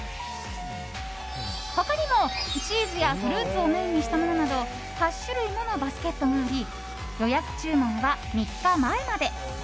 他にもチーズやフルーツをメインにしたものなど８種類ものバスケットがあり予約注文は３日前まで。